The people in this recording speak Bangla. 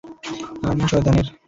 আর না শয়তানের।